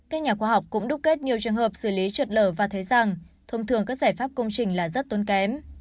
các nhà khoa học cũng đúc kết nhiều trường hợp xử lý trượt lở và thấy rằng thông thường các giải pháp công trình là rất tốn kém